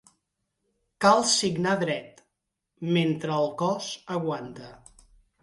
Cal signar dret, mentre el cos aguanta.